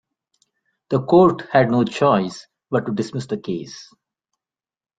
The court had no choice but to dismiss the case.